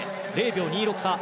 ０秒２６差。